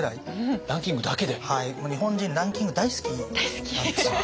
日本人ランキング大好きなんですよ。